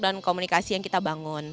dan komunikasi yang kita bangun